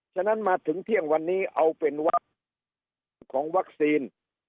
ฉะนั้นมาถึงเที่ยงวันนี้เอาเป็นว่าของวัคซีน